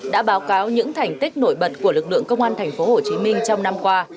đã báo cáo những thành tích nổi bật của lực lượng công an thành phố hồ chí minh trong năm qua